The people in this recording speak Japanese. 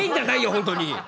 本当に！